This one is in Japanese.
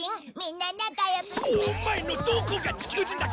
オマエのどこが地球人だ